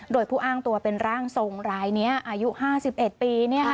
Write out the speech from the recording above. โดยผู้อ้างตัวเป็นร่างทรงรายนี้อายุ๕๑ปี